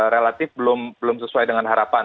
relatif belum sesuai dengan harapan